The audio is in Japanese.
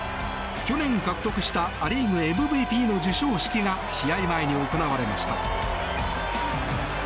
去年獲得したア・リーグＭＶＰの授賞式が試合前に行われました。